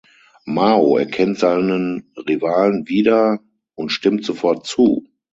Mao erkennt seinen Rivalen wieder und stimmt sofort zu.